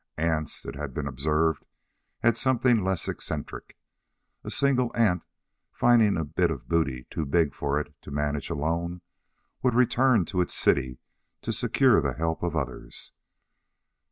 Ants, it had been observed, had something less eccentric. A single ant, finding a bit of booty too big for it to manage alone, would return to its city to secure the help of others.